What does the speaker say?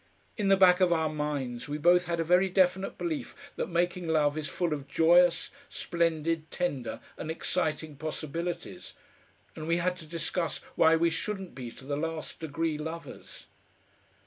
In the back of our minds we both had a very definite belief that making love is full of joyous, splendid, tender, and exciting possibilities, and we had to discuss why we shouldn't be to the last degree lovers.